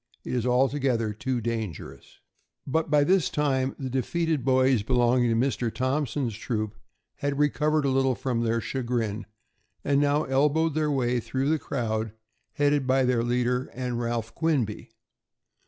It is altogether too dangerous." But by this time the defeated boys belonging to Mr. Thompson's troop had recovered a little from their chagrin, and now elbowed their way through the crowd, headed by their leader and Ralph Quinby.